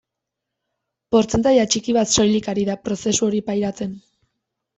Portzentaia txiki bat soilik ari da prozesu hori pairatzen.